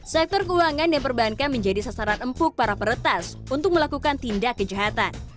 sektor keuangan dan perbankan menjadi sasaran empuk para peretas untuk melakukan tindak kejahatan